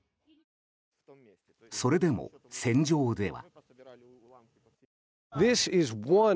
それでも戦場では。